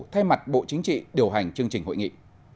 thay mặt bộ chính trị điều hành chương trình hội nghị